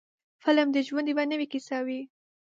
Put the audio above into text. فلم د ژوند یوه نوې کیسه وي.